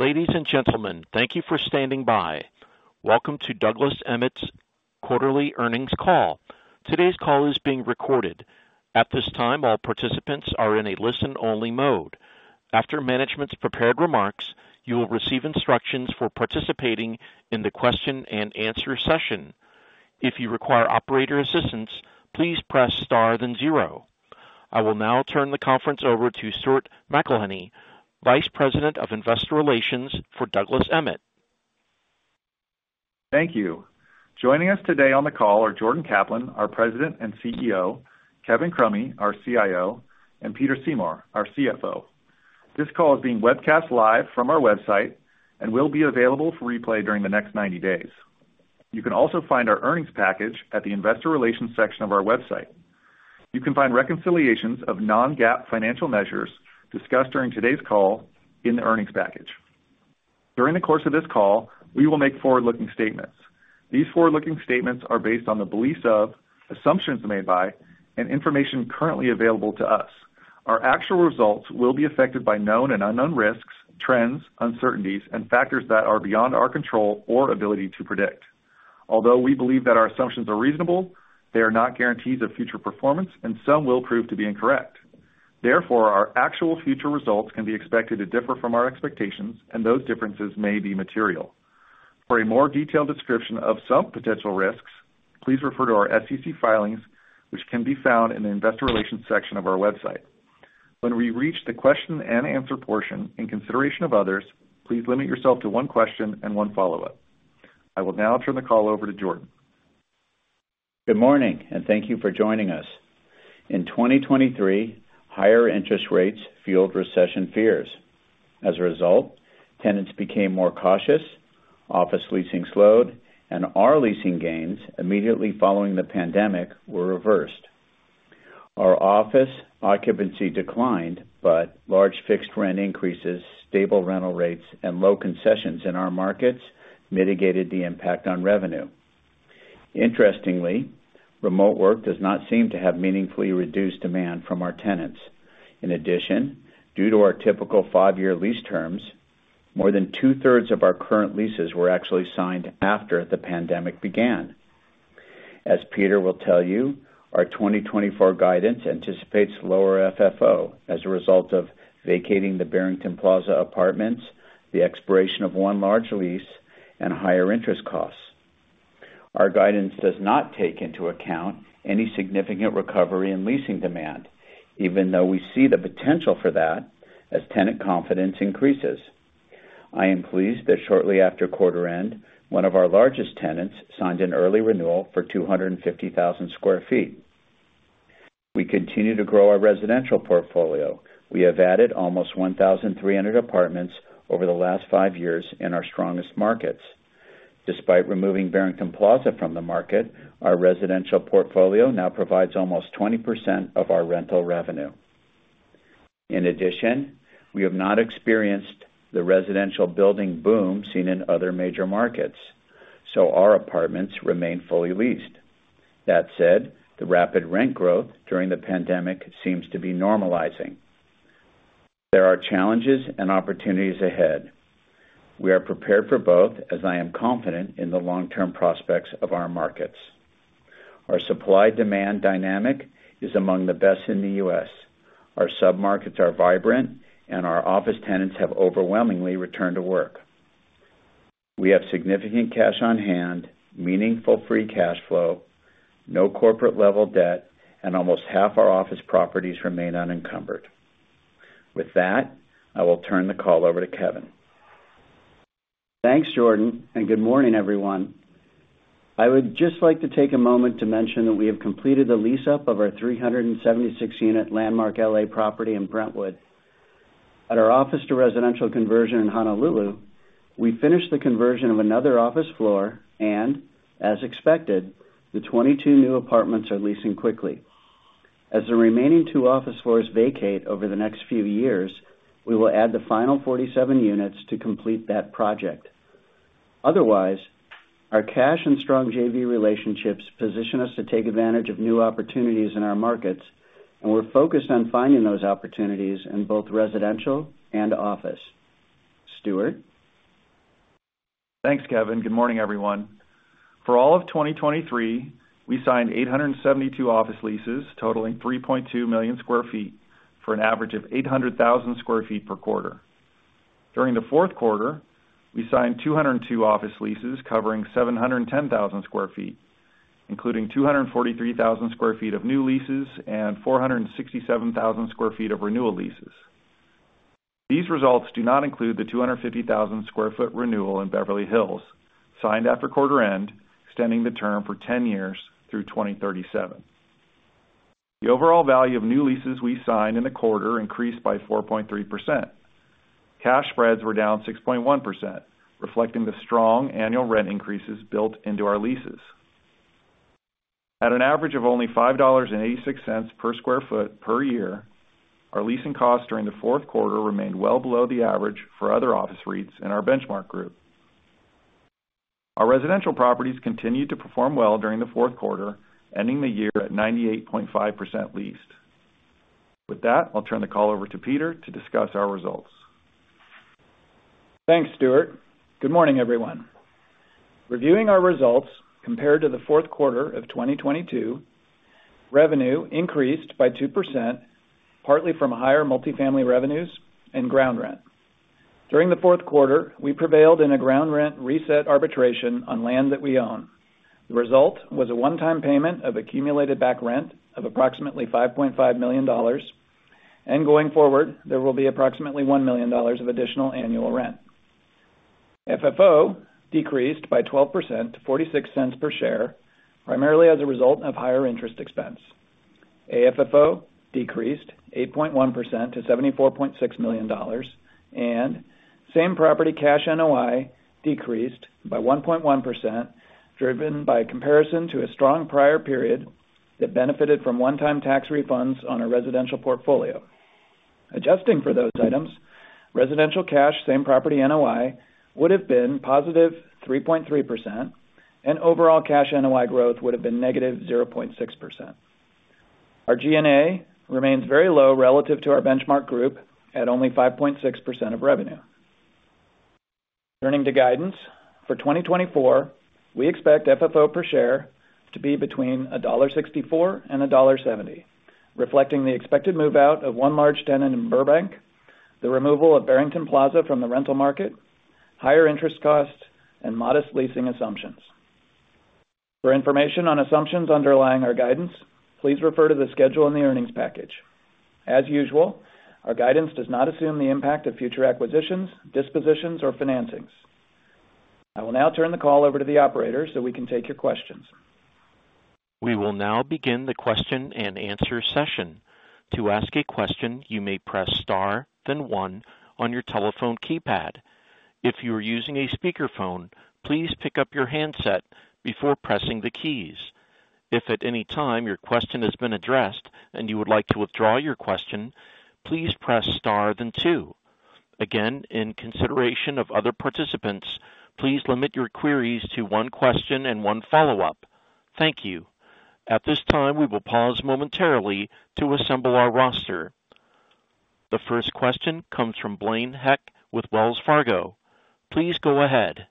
Ladies and gentlemen, thank you for standing by. Welcome to Douglas Emmett's quarterly earnings call. Today's call is being recorded. At this time, all participants are in a listen-only mode. After management's prepared remarks, you will receive instructions for participating in the question-and-answer session. If you require operator assistance, please press Star, then zero. I will now turn the conference over to Stuart McElhinney, Vice President of Investor Relations for Douglas Emmett. Thank you. Joining us today on the call are Jordan Kaplan, our President and CEO, Kevin Crummy, our CIO, and Peter Seymour, our CFO. This call is being webcast live from our website and will be available for replay during the next 90 days. You can also find our earnings package at the Investor Relations section of our website. You can find reconciliations of non-GAAP financial measures discussed during today's call in the earnings package. During the course of this call, we will make forward-looking statements. These forward-looking statements are based on the beliefs of, assumptions made by, and information currently available to us. Our actual results will be affected by known and unknown risks, trends, uncertainties, and factors that are beyond our control or ability to predict. Although we believe that our assumptions are reasonable, they are not guarantees of future performance, and some will prove to be incorrect. Therefore, our actual future results can be expected to differ from our expectations, and those differences may be material. For a more detailed description of some potential risks, please refer to our SEC filings, which can be found in the Investor Relations section of our website. When we reach the question-and-answer portion, in consideration of others, please limit yourself to one question and one follow-up. I will now turn the call over to Jordan. Good morning, and thank you for joining us. In 2023, higher interest rates fueled recession fears. As a result, tenants became more cautious, office leasing slowed, and our leasing gains immediately following the pandemic were reversed. Our office occupancy declined, but large fixed rent increases, stable rental rates, and low concessions in our markets mitigated the impact on revenue. Interestingly, remote work does not seem to have meaningfully reduced demand from our tenants. In addition, due to our typical 5-year lease terms, more than two-thirds of our current leases were actually signed after the pandemic began. As Peter will tell you, our 2024 guidance anticipates lower FFO as a result of vacating the Barrington Plaza Apartments, the expiration of one large lease, and higher interest costs. Our guidance does not take into account any significant recovery in leasing demand, even though we see the potential for that as tenant confidence increases. I am pleased that shortly after quarter end, one of our largest tenants signed an early renewal for 250,000 sq ft. We continue to grow our residential portfolio. We have added almost 1,300 apartments over the last five years in our strongest markets. Despite removing Barrington Plaza from the market, our residential portfolio now provides almost 20% of our rental revenue. In addition, we have not experienced the residential building boom seen in other major markets, so our apartments remain fully leased. That said, the rapid rent growth during the pandemic seems to be normalizing. There are challenges and opportunities ahead. We are prepared for both, as I am confident in the long-term prospects of our markets. Our supply-demand dynamic is among the best in the U.S. Our submarkets are vibrant, and our office tenants have overwhelmingly returned to work. We have significant cash on hand, meaningful free cash flow, no corporate level debt, and almost half our office properties remain unencumbered. With that, I will turn the call over to Kevin. Thanks, Jordan, and good morning, everyone. I would just like to take a moment to mention that we have completed the lease-up of our 376-unit Landmark LA property in Brentwood. At our office-to-residential conversion in Honolulu, we finished the conversion of another office floor, and as expected, the 22 new apartments are leasing quickly. As the remaining two office floors vacate over the next few years, we will add the final 47 units to complete that project. Otherwise, our cash and strong JV relationships position us to take advantage of new opportunities in our markets, and we're focused on finding those opportunities in both residential and office. Stuart? Thanks, Kevin. Good morning, everyone. For all of 2023, we signed 872 office leases totaling 3.2 million sq ft, for an average of 800,000 sq ft per quarter. During the fourth quarter, we signed 202 office leases covering 710,000 sq ft, including 243,000 sq ft of new leases and 467,000 sq ft of renewal leases. These results do not include the 250,000 sq ft renewal in Beverly Hills, signed after quarter end, extending the term for 10 years through 2037. The overall value of new leases we signed in the quarter increased by 4.3%. Cash spreads were down 6.1%, reflecting the strong annual rent increases built into our leases. At an average of only $5.86 per sq ft per year, our leasing costs during the fourth quarter remained well below the average for other office REITs in our benchmark group. Our residential properties continued to perform well during the fourth quarter, ending the year at 98.5% leased. With that, I'll turn the call over to Peter to discuss our results. Thanks, Stuart. Good morning, everyone. Reviewing our results compared to the fourth quarter of 2022, revenue increased by 2%, partly from higher multifamily revenues and ground rent. During the fourth quarter, we prevailed in a ground rent reset arbitration on land that we own. The result was a one-time payment of accumulated back rent of approximately $5.5 million, and going forward, there will be approximately $1 million of additional annual rent. FFO decreased by 12% to $0.46 per share, primarily as a result of higher interest expense. AFFO decreased 8.1% to $74.6 million, and same-property cash NOI decreased by 1.1%, driven by comparison to a strong prior period that benefited from one-time tax refunds on our residential portfolio. Adjusting for those items, residential cash same-property NOI would have been +3.3%, and overall cash NOI growth would have been -0.6%. Our G&A remains very low relative to our benchmark group at only 5.6% of revenue. Turning to guidance, for 2024, we expect FFO per share to be between $1.64 and $1.70, reflecting the expected move-out of 1 large tenant in Burbank, the removal of Barrington Plaza from the rental market, higher interest costs, and modest leasing assumptions. For information on assumptions underlying our guidance, please refer to the schedule in the earnings package. As usual, our guidance does not assume the impact of future acquisitions, dispositions, or financings. I will now turn the call over to the operator, so we can take your questions. We will now begin the question-and-answer session. To ask a question, you may press star, then one on your telephone keypad. If you are using a speakerphone, please pick up your handset before pressing the keys. If at any time your question has been addressed and you would like to withdraw your question, please press star, then two. Again, in consideration of other participants, please limit your queries to one question and one follow-up. Thank you. At this time, we will pause momentarily to assemble our roster. The first question comes from Blaine Heck with Wells Fargo. Please go ahead.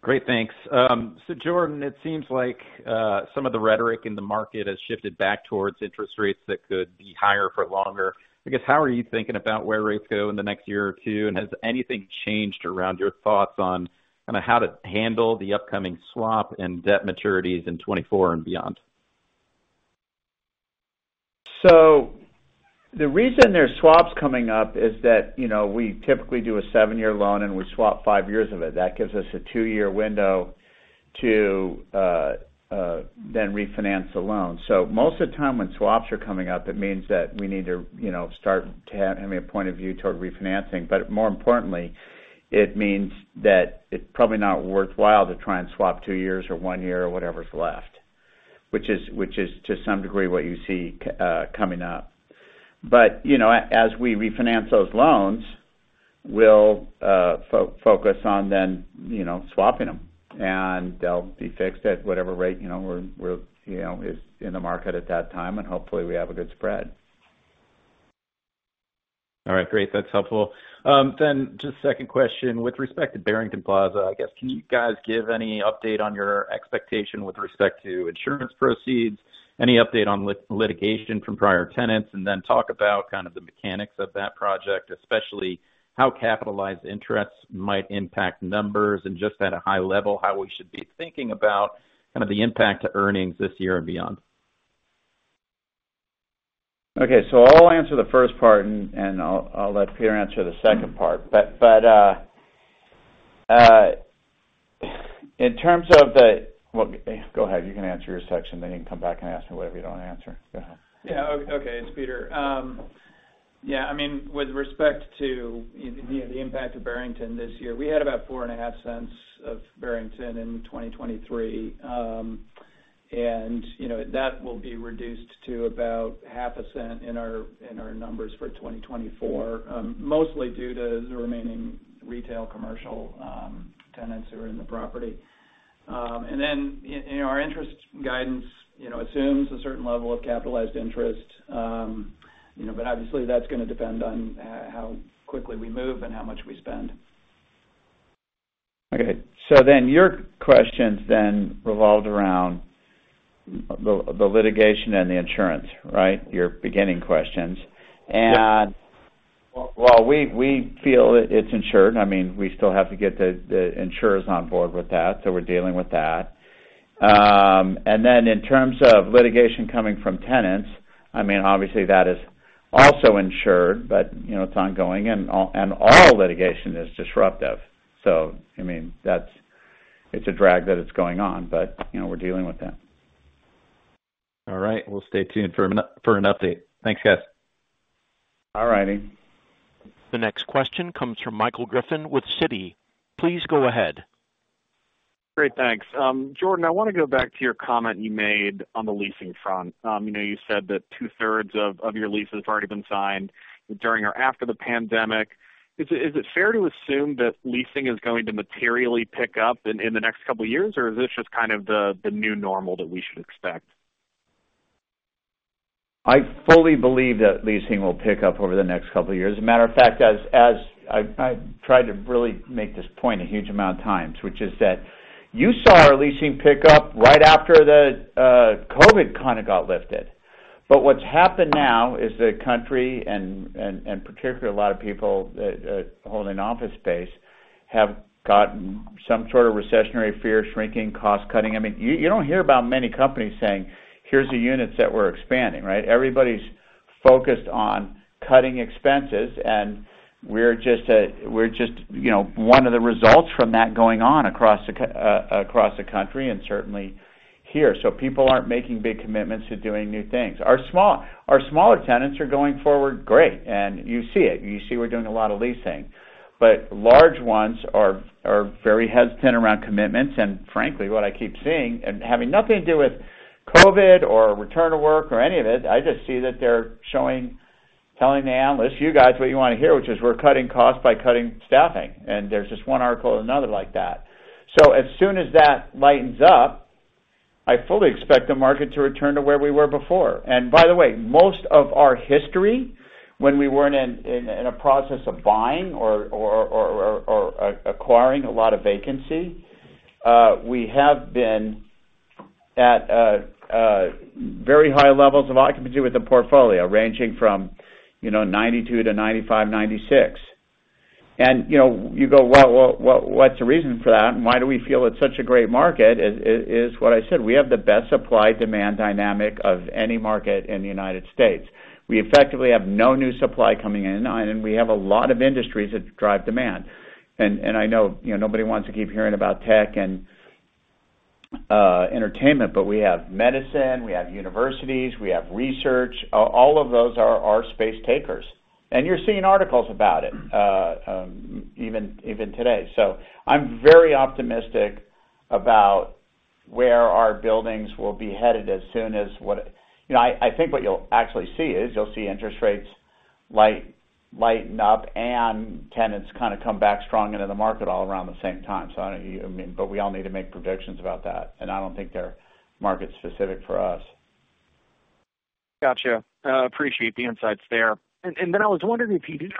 Great, thanks. So Jordan, it seems like some of the rhetoric in the market has shifted back towards interest rates that could be higher for longer. I guess, how are you thinking about where rates go in the next year or two? And has anything changed around your thoughts on kind of how to handle the upcoming swap and debt maturities in 2024 and beyond? So the reason there's swaps coming up is that, you know, we typically do a 7-year loan, and we swap five years of it. That gives us a 2-year window to then refinance the loan. So most of the time, when swaps are coming up, it means that we need to, you know, start to have, I mean, a point of view toward refinancing. But more importantly, it means that it's probably not worthwhile to try and swap two years or one year or whatever's left, which is to some degree what you see coming up. But, you know, as we refinance those loans, we'll focus on then, you know, swapping them, and they'll be fixed at whatever rate, you know, we're, you know, is in the market at that time, and hopefully, we have a good spread. All right, great. That's helpful. Then just second question, with respect to Barrington Plaza, I guess, can you guys give any update on your expectation with respect to insurance proceeds, any update on litigation from prior tenants, and then talk about kind of the mechanics of that project, especially how capitalized interests might impact numbers, and just at a high level, how we should be thinking about kind of the impact to earnings this year and beyond? Okay, so I'll answer the first part, and I'll let Peter answer the second part. But in terms of the... Well, go ahead, you can answer your section, then you can come back and ask me whatever you don't want to answer. Go ahead. Yeah. Okay, it's Peter. Yeah, I mean, with respect to, you know, the impact of Barrington this year, we had about $4.50 of Barrington in 2023. And, you know, that will be reduced to about $0.50 in our numbers for 2024, mostly due to the remaining retail commercial tenants who are in the property. And then, you know, our interest guidance, you know, assumes a certain level of capitalized interest, you know, but obviously, that's gonna depend on how quickly we move and how much we spend. Okay. So then your questions revolved around the litigation and the insurance, right? Your beginning questions. Yeah. Well, we feel it, it's insured. I mean, we still have to get the insurers on board with that, so we're dealing with that. And then in terms of litigation coming from tenants, I mean, obviously, that is also insured, but, you know, it's ongoing, and all litigation is disruptive. So I mean, that's a drag that it's going on, but, you know, we're dealing with that. All right. We'll stay tuned for an update. Thanks, guys. All righty. The next question comes from Michael Griffin with Citi. Please go ahead. Great, thanks. Jordan, I want to go back to your comment you made on the leasing front. You know, you said that two-thirds of your leases have already been signed during or after the pandemic. Is it fair to assume that leasing is going to materially pick up in the next couple of years, or is this just kind of the new normal that we should expect?... I fully believe that leasing will pick up over the next couple of years. As a matter of fact, as I've tried to really make this point a huge amount of times, which is that you saw our leasing pick up right after the COVID kind of got lifted. But what's happened now is the country, and particularly a lot of people that holding office space, have gotten some sort of recessionary fear, shrinking, cost cutting. I mean, you don't hear about many companies saying, "Here's the units that we're expanding," right? Everybody's focused on cutting expenses, and we're just we're just, you know, one of the results from that going on across the country and certainly here. So people aren't making big commitments to doing new things. Our smaller tenants are going forward great, and you see it. You see we're doing a lot of leasing. But large ones are very hesitant around commitments, and frankly, what I keep seeing, and having nothing to do with COVID or return to work or any of it, I just see that they're showing, telling the analysts, you guys, what you wanna hear, which is we're cutting costs by cutting staffing, and there's just one article or another like that. So as soon as that lightens up, I fully expect the market to return to where we were before. And by the way, most of our history, when we weren't in a process of buying or acquiring a lot of vacancy, we have been at a very high levels of occupancy with the portfolio, ranging from, you know, 92% to 95%, 96%. And, you know, you go, well, what’s the reason for that? And why do we feel it’s such a great market, is what I said: We have the best supply-demand dynamic of any market in the United States. We effectively have no new supply coming in, and we have a lot of industries that drive demand. And I know, you know, nobody wants to keep hearing about tech and entertainment, but we have medicine, we have universities, we have research. All of those are our space takers. You're seeing articles about it, even today. So I'm very optimistic about where our buildings will be headed as soon as what... You know, I think what you'll actually see is, you'll see interest rates lighten up, and tenants kind of come back strong into the market all around the same time. So I don't, I mean, but we all need to make predictions about that, and I don't think they're market-specific for us. Gotcha. Appreciate the insights there. And then I was wondering if you'd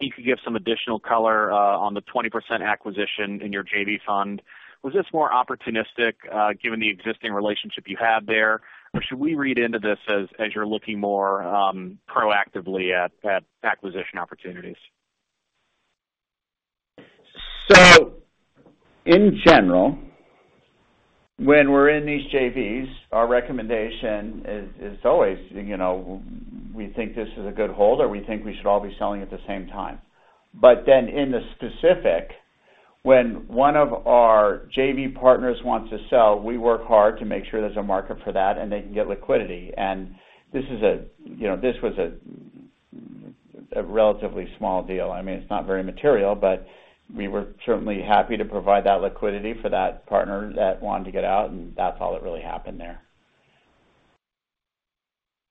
you could give some additional color on the 20% acquisition in your JV fund. Was this more opportunistic given the existing relationship you had there? Or should we read into this as you're looking more proactively at acquisition opportunities? So in general, when we're in these JVs, our recommendation is, is always, you know, we think this is a good hold, or we think we should all be selling at the same time. But then, in the specific, when one of our JV partners wants to sell, we work hard to make sure there's a market for that, and they can get liquidity. And this is a, you know, this was a, a relatively small deal. I mean, it's not very material, but we were certainly happy to provide that liquidity for that partner that wanted to get out, and that's all that really happened there.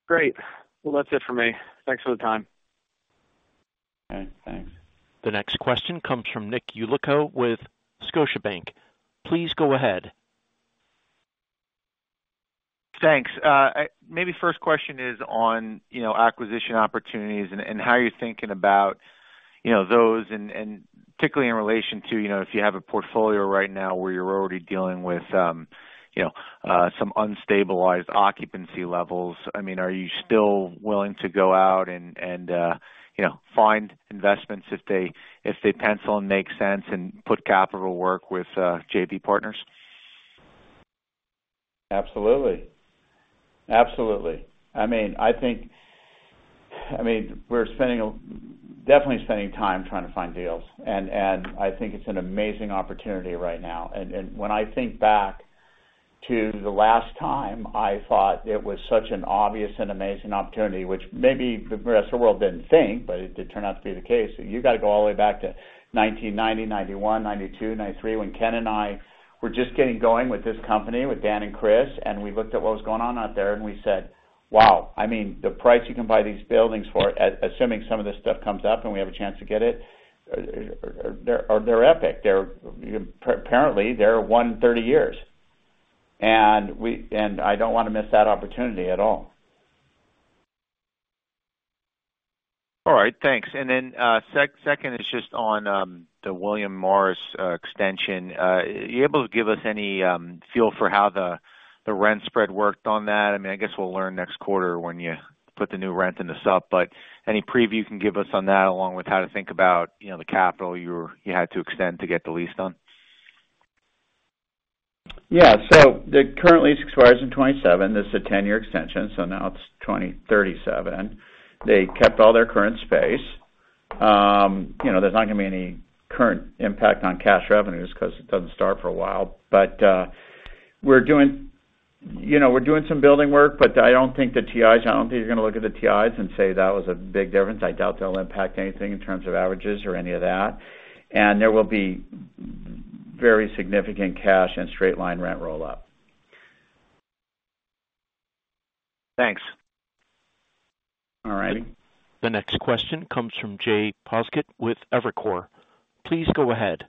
Great. Well, that's it for me. Thanks for the time. Okay, thanks. The next question comes from Nick Yulico with Scotiabank. Please go ahead. Thanks. Maybe first question is on, you know, acquisition opportunities and, and how you're thinking about, you know, those, and, and particularly in relation to, you know, if you have a portfolio right now where you're already dealing with, you know, some unstabilized occupancy levels. I mean, are you still willing to go out and, and, you know, find investments if they, if they pencil and make sense and put capital work with, JV partners? Absolutely. Absolutely. I mean, I think—I mean, we're definitely spending time trying to find deals, and I think it's an amazing opportunity right now. And when I think back to the last time, I thought it was such an obvious and amazing opportunity, which maybe the rest of the world didn't think, but it did turn out to be the case. You got to go all the way back to 1990, 1991, 1992, 1993, when Ken and I were just getting going with this company, with Dan and Chris, and we looked at what was going on out there, and we said: Wow! I mean, the price you can buy these buildings for, assuming some of this stuff comes up and we have a chance to get it, they're epic. They're apparently they're one in 30 years. I don't wanna miss that opportunity at all. All right, thanks. And then, second is just on the William Morris extension. Are you able to give us any feel for how the rent spread worked on that? I mean, I guess we'll learn next quarter when you put the new rent in the supp, but any preview you can give us on that, along with how to think about, you know, the capital you had to extend to get the lease done? Yeah. So the current lease expires in 2027. This is a 10-year extension, so now it's 2037. They kept all their current space. You know, there's not gonna be any current impact on cash revenues because it doesn't start for a while. But, we're doing, you know, we're doing some building work, but I don't think the TIs, I don't think you're gonna look at the TIs and say, "That was a big difference." I doubt they'll impact anything in terms of averages or any of that. And there will be very significant cash and straight line rent roll-up. Thanks.... The next question comes from Jay Poskitt with Evercore. Please go ahead.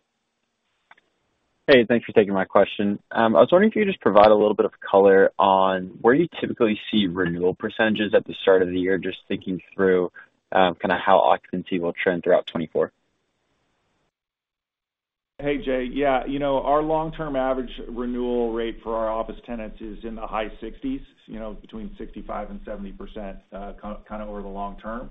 Hey, thanks for taking my question. I was wondering if you could just provide a little bit of color on where you typically see renewal percentages at the start of the year, just thinking through, kind of how occupancy will trend throughout 2024. Hey, Jay. Yeah, you know, our long-term average renewal rate for our office tenants is in the high 60s, you know, between 65% and 70%, kind of over the long term.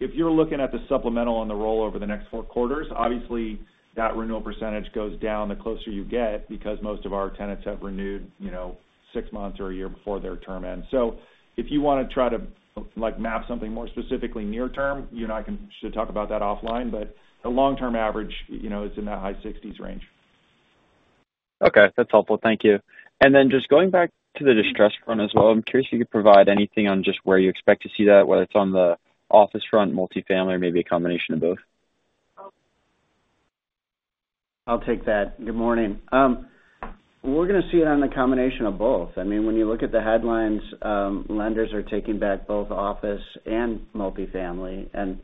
If you're looking at the supplemental on the roll over the next 4 quarters, obviously, that renewal percentage goes down the closer you get, because most of our tenants have renewed, you know, six months or a year before their term ends. So if you want to try to, like, map something more specifically near term, you and I should talk about that offline, but the long-term average, you know, is in that high 60s range. Okay, that's helpful. Thank you. And then just going back to the distressed front as well, I'm curious if you could provide anything on just where you expect to see that, whether it's on the office front, multifamily, or maybe a combination of both. I'll take that. Good morning. We're going to see it on a combination of both. I mean, when you look at the headlines, lenders are taking back both office and multifamily. And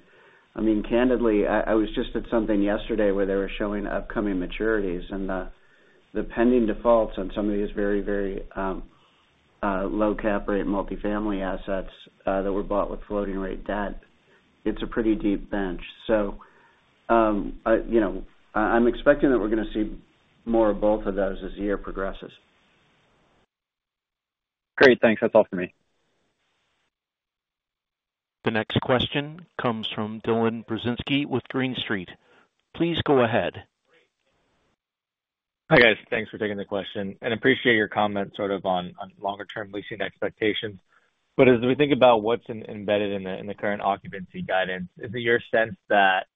I mean, candidly, I was just at something yesterday where they were showing upcoming maturities and the pending defaults on some of these very, very low cap rate multifamily assets that were bought with floating rate debt. It's a pretty deep bench. So, I—you know, I'm expecting that we're going to see more of both of those as the year progresses. Great. Thanks. That's all for me. The next question comes from Dylan Burzinski with Green Street. Please go ahead. Hi, guys. Thanks for taking the question, and appreciate your comments sort of on longer-term leasing expectations. But as we think about what's embedded in the current occupancy guidance, is it your sense that,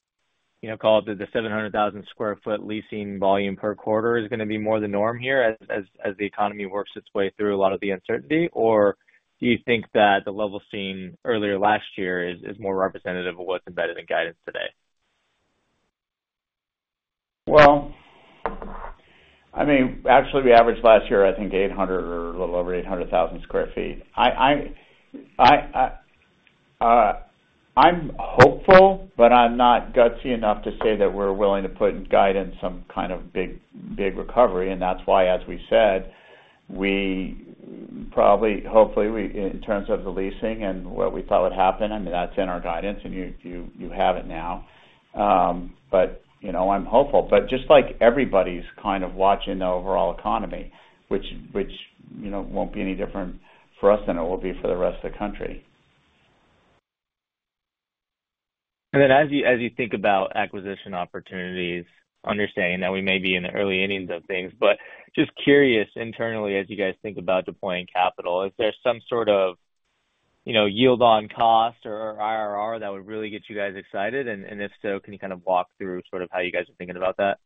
you know, call it the 700,000 sq ft leasing volume per quarter is going to be more the norm here as the economy works its way through a lot of the uncertainty? Or do you think that the level seen earlier last year is more representative of what's embedded in guidance today? Well, I mean, actually, we averaged last year, I think, 800 or a little over 800,000 sq ft. I'm hopeful, but I'm not gutsy enough to say that we're willing to put in guidance some kind of big, big recovery, and that's why, as we said, we probably, hopefully, in terms of the leasing and what we thought would happen, I mean, that's in our guidance, and you have it now. But, you know, I'm hopeful. But just like everybody's kind of watching the overall economy, which, you know, won't be any different for us than it will be for the rest of the country. And then, as you think about acquisition opportunities, understanding that we may be in the early innings of things, but just curious internally, as you guys think about deploying capital, is there some sort of, you know, yield on cost or IRR that would really get you guys excited? And if so, can you kind of walk through sort of how you guys are thinking about that?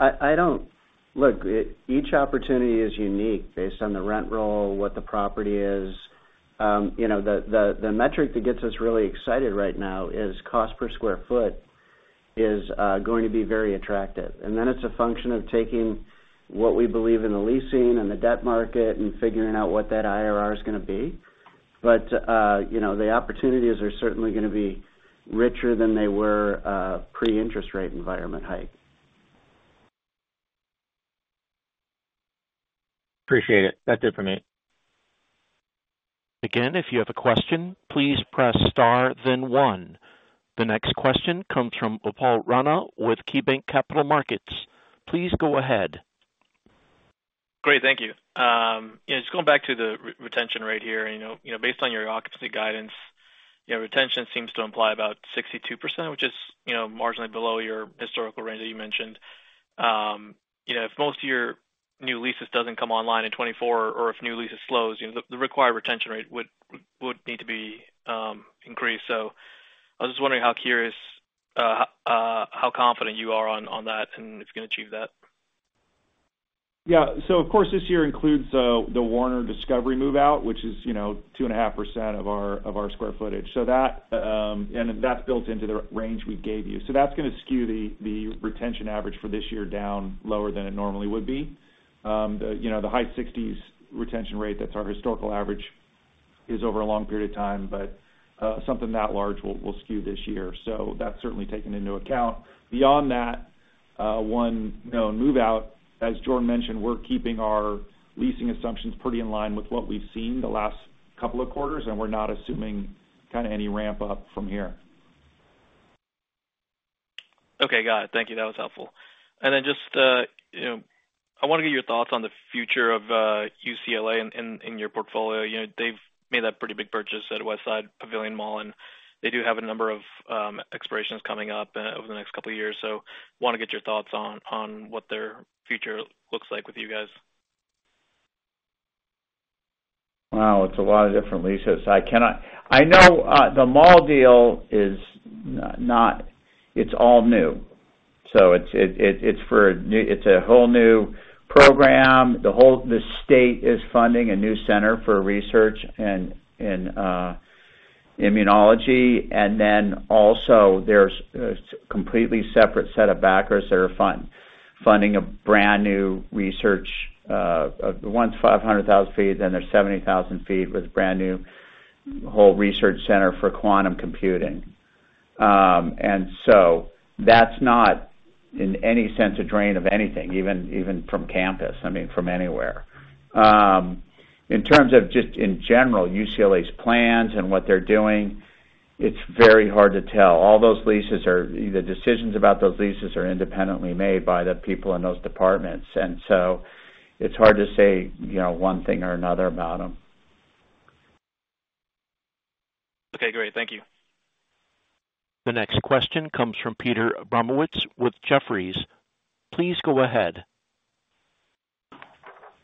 I don't. Look, each opportunity is unique based on the rent roll, what the property is. You know, the metric that gets us really excited right now is cost per sq ft is going to be very attractive. And then it's a function of taking what we believe in the leasing and the debt market and figuring out what that IRR is going to be. But, you know, the opportunities are certainly going to be richer than they were pre-interest rate environment hike. Appreciate it. That's it for me. Again, if you have a question, please press star, then one. The next question comes from Upal Rana with KeyBanc Capital Markets. Please go ahead. Great. Thank you. Yeah, just going back to the retention rate here, you know, you know, based on your occupancy guidance, you know, retention seems to imply about 62%, which is, you know, marginally below your historical range that you mentioned. You know, if most of your new leases doesn't come online in 2024, or if new leases slows, you know, the required retention rate would need to be increased. So I was just wondering how confident you are on that and if you can achieve that? Yeah. So of course, this year includes the Warner Discovery move-out, which is, you know, 2.5% of our, of our square footage. So that, and that's built into the range we gave you. So that's going to skew the, the retention average for this year down lower than it normally would be. The, you know, the high 60s retention rate, that's our historical average, is over a long period of time, but, something that large will, will skew this year. So that's certainly taken into account. Beyond that, one, you know, move-out, as Jordan mentioned, we're keeping our leasing assumptions pretty in line with what we've seen the last couple of quarters, and we're not assuming kind of any ramp up from here. Okay, got it. Thank you. That was helpful. And then just, you know, I want to get your thoughts on the future of UCLA in your portfolio. You know, they've made that pretty big purchase at Westside Pavilion Mall, and they do have a number of expirations coming up over the next couple of years. So want to get your thoughts on what their future looks like with you guys. Well, it's a lot of different leases. I know the mall deal is not. It's all new, so it's for a new. It's a whole new program. The state is funding a new center for research and.... immunology, and then also there's a completely separate set of backers that are funding a brand new research, one's 500,000 sq ft, then there's 70,000 sq ft with a brand new whole research center for quantum computing. And so that's not, in any sense, a drain of anything, even, even from campus, I mean, from anywhere. In terms of just in general, UCLA's plans and what they're doing, it's very hard to tell. All those leases are. The decisions about those leases are independently made by the people in those departments, and so it's hard to say, you know, one thing or another about them. Okay, great. Thank you. The next question comes from Peter Abramowitz with Jefferies. Please go ahead.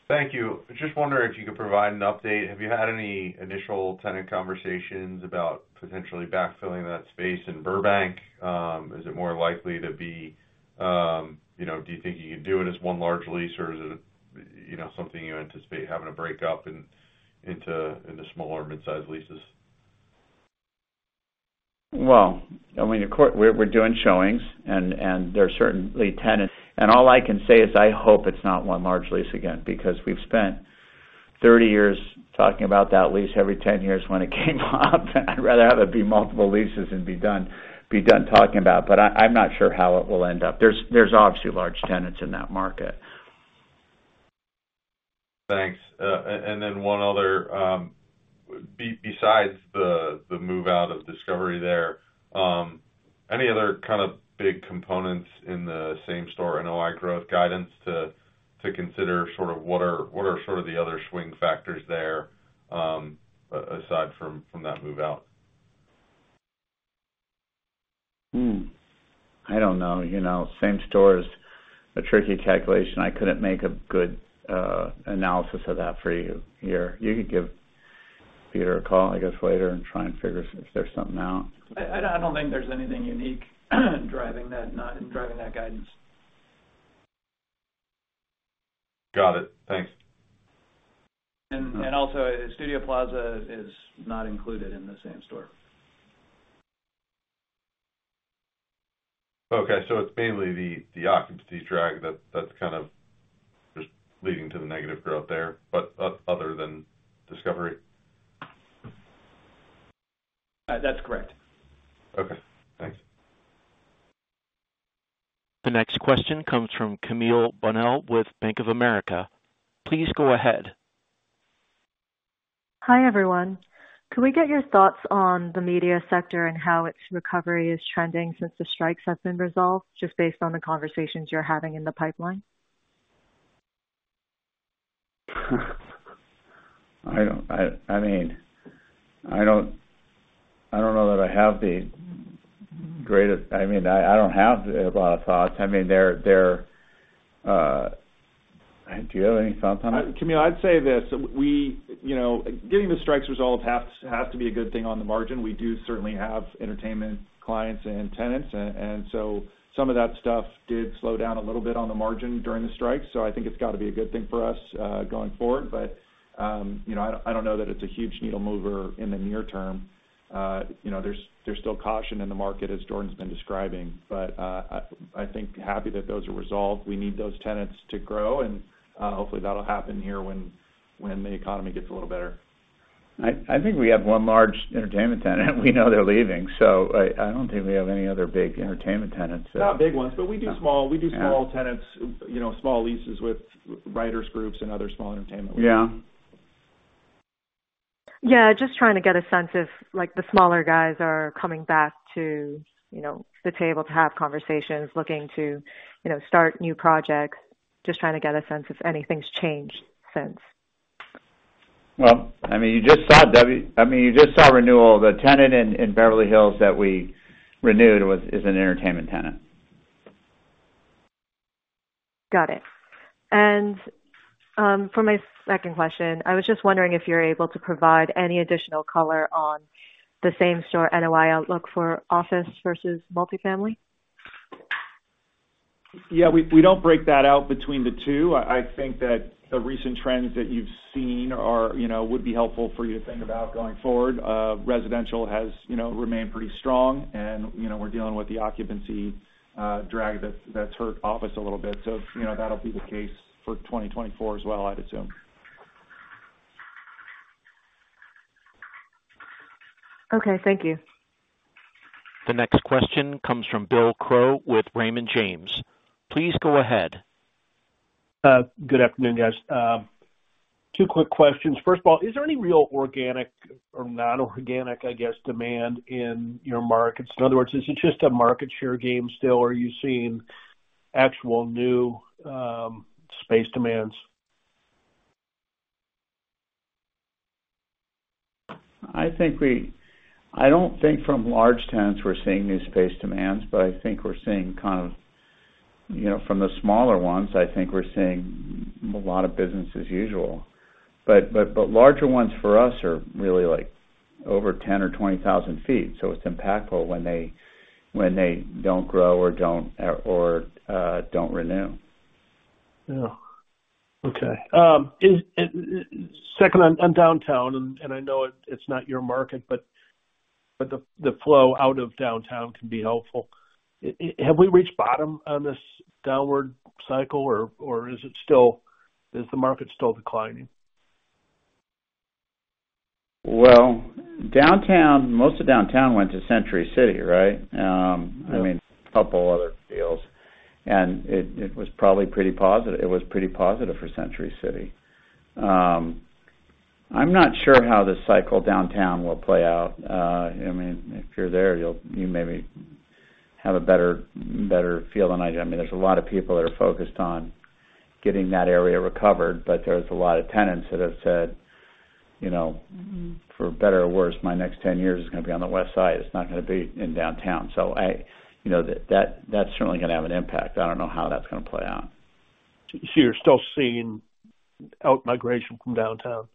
Thank you. I was just wondering if you could provide an update. Have you had any initial tenant conversations about potentially backfilling that space in Burbank? Is it more likely to be, you know, do you think you can do it as one large lease, or is it, you know, something you anticipate having to break up into smaller mid-sized leases? Well, I mean, of course, we're doing showings, and there are certainly tenants. And all I can say is I hope it's not one large lease again, because we've spent 30 years talking about that lease every 10 years when it came up. I'd rather have it be multiple leases and be done talking about it, but I'm not sure how it will end up. There's obviously large tenants in that market. Thanks. And then one other... besides the move-out of Discovery there, any other kind of big components in the same-store NOI growth guidance to consider sort of what are the other swing factors there, aside from that move-out? Hmm, I don't know. You know, same store is a tricky calculation. I couldn't make a good analysis of that for you here. You could give Peter a call, I guess, later and try and figure if there's something out. I don't think there's anything unique driving that guidance. Got it. Thanks. Also, Studio Plaza is not included in the same-store. Okay, so it's mainly the occupancy drag that's kind of just leading to the negative growth there, but other than Discovery? That's correct. Okay, thanks. The next question comes from Camille Bonnel with Bank of America. Please go ahead. Hi, everyone. Can we get your thoughts on the media sector and how its recovery is trending since the strikes have been resolved, just based on the conversations you're having in the pipeline? I mean, I don't know that I have the greatest... I mean, I don't have a lot of thoughts. I mean, they're... Do you have any thoughts on that? Camille, I'd say this, we, you know, getting the strikes resolved has to be a good thing on the margin. We do certainly have entertainment clients and tenants, and so some of that stuff did slow down a little bit on the margin during the strikes, so I think it's got to be a good thing for us going forward. But, you know, I don't know that it's a huge needle mover in the near term. You know, there's still caution in the market, as Jordan's been describing, but I think happy that those are resolved. We need those tenants to grow, and hopefully, that'll happen here when the economy gets a little better. I think we have one large entertainment tenant. We know they're leaving, so I don't think we have any other big entertainment tenants. Not big ones, but we do small- Yeah. We do small tenants, you know, small leases with writers groups and other small entertainment. Yeah. Yeah, just trying to get a sense if, like, the smaller guys are coming back to, you know, the table to have conversations, looking to, you know, start new projects. Just trying to get a sense if anything's changed since. Well, I mean, you just saw renewal. The tenant in Beverly Hills that we renewed was, is an entertainment tenant. Got it. For my second question, I was just wondering if you're able to provide any additional color on the same store NOI outlook for office versus multifamily? Yeah, we, we don't break that out between the two. I, I think that the recent trends that you've seen are, you know, would be helpful for you to think about going forward. Residential has, you know, remained pretty strong and, you know, we're dealing with the occupancy drag that's, that's hurt office a little bit. So, you know, that'll be the case for 2024 as well, I'd assume. Okay, thank you. The next question comes from Bill Crow with Raymond James. Please go ahead. Good afternoon, guys. Two quick questions. First of all, is there any real organic or non-organic, I guess, demand in your markets? In other words, is it just a market share game still, or are you seeing actual new space demands? I think I don't think from large tenants we're seeing new space demands, but I think we're seeing kind of, you know, from the smaller ones, I think we're seeing a lot of business as usual. But larger ones for us are really, like, over 10,000 or 20,000 feet, so it's impactful when they don't grow or don't renew. Yeah. Okay, and second, on downtown, and I know it's not your market, but the flow out of downtown can be helpful. Have we reached bottom on this downward cycle, or is the market still declining? Well, downtown, most of downtown went to Century City, right? Yeah. I mean, a couple other deals, and it, it was probably pretty positive. It was pretty positive for Century City. I'm not sure how the cycle downtown will play out. I mean, if you're there, you'll, you maybe have a better, better feel than I do. I mean, there's a lot of people that are focused on getting that area recovered, but there's a lot of tenants that have said, you know, "For better or worse, my next 10 years is gonna be on the Westside. It's not gonna be in Downtown." So I... You know, that, that's certainly gonna have an impact. I don't know how that's gonna play out. You're still seeing outmigration from downtown?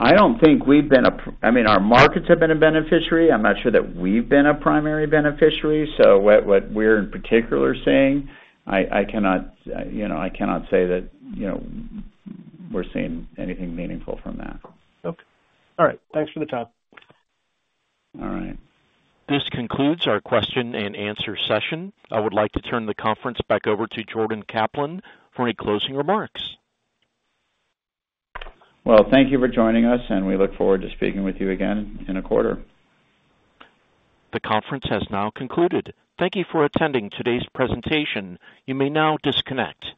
I don't think we've been a… I mean, our markets have been a beneficiary. I'm not sure that we've been a primary beneficiary, so what we're in particular seeing, I cannot, you know, I cannot say that, you know, we're seeing anything meaningful from that. Okay. All right. Thanks for the time. All right. This concludes our question-and-answer session. I would like to turn the conference back over to Jordan Kaplan for any closing remarks. Well, thank you for joining us, and we look forward to speaking with you again in a quarter. The conference has now concluded. Thank you for attending today's presentation. You may now disconnect.